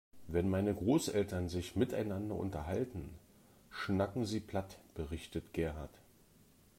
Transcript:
Wenn meine Großeltern sich miteinander unterhalten, schnacken sie platt, berichtet Gerhard.